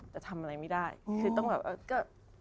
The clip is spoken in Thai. แต่ทำอะไรไม่ได้คือต้องแบบว่าก็